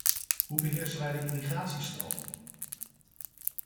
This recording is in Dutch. Hoe beheersen wij de immigratiestromen?